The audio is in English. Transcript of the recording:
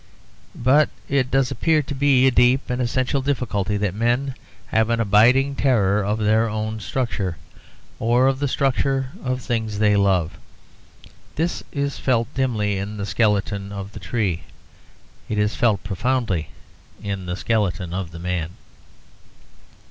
But it does appear to be a deep and essential difficulty that men have an abiding terror of their own structure, or of the structure of things they love. This is felt dimly in the skeleton of the tree: it is felt profoundly in the skeleton of the man.